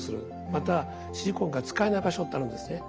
またシリコンが使えない場所ってあるんですね。